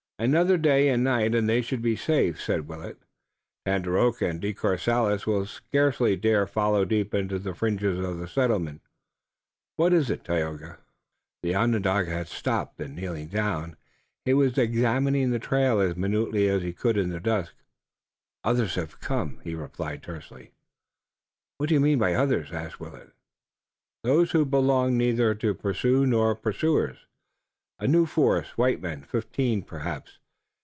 "Another day and night and they should be safe," said Willet. "Tandakora and De Courcelles will scarcely dare follow deep into the fringe of settlements. What is it, Tayoga?" The Onondaga had stopped and, kneeling down, he was examining the trail as minutely as he could in the dusk. "Others have come," he replied tersely. "What do you mean by 'others'?" asked Willet. "Those who belong neither to pursued nor pursuers, a new force, white men, fifteen, perhaps.